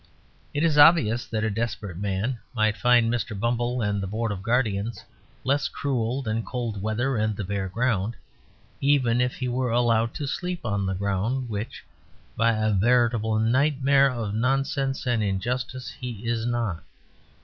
It is obvious that a desperate man might find Mr. Bumble and the Board of Guardians less cruel than cold weather and the bare ground even if he were allowed to sleep on the ground, which (by a veritable nightmare of nonsense and injustice) he is not.